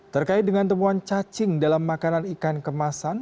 terkait dengan temuan cacing dalam makanan ikan kemasan